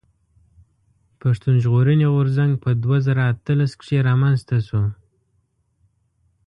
پښتون ژغورني غورځنګ په دوه زره اتلس کښي رامنځته شو.